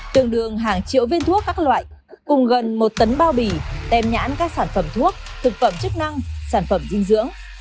tương đương hàng triệu viên thuốc các loại cùng gần một tấn bao bì tem nhãn các sản phẩm thuốc thực phẩm chức năng sản phẩm dinh dưỡng